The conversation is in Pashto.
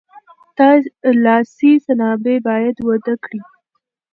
لاسي صنایع باید وده وکړي.